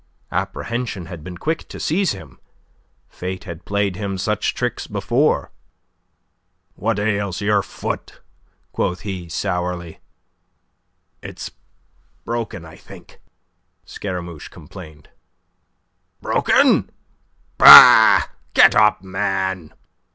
Apprehension had been quick to seize him. Fate had played him such tricks before. "What ails your foot?" quoth he, sourly. "It's broken, I think," Scaramouche complained. "Broken? Bah! Get up, man."